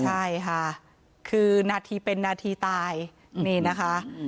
ใช่ค่ะคือนาทีเป็นนาทีตายนี่นะคะ